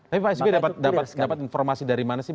tapi pak sby dapat informasi dari mana sih